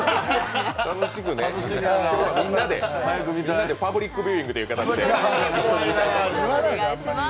楽しくね、みんなでパブリックビューイングっていう形で一緒に見たいと思います。